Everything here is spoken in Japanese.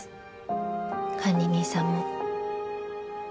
管理人さんも。